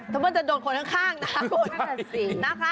ถ้าเมื่อจะโดนคนข้างนะ